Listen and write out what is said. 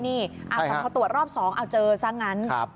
แต่ตรวจรอบสองเจอซะงั้น